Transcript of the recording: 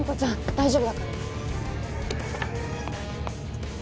大丈夫だからね。